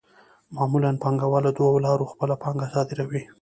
معمولاً پانګوال له دوو لارو خپله پانګه صادروي